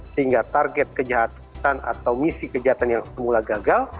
sehingga target kejahatan atau misi kejahatan yang semula gagal